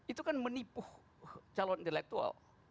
itu kan menipu calon intelektual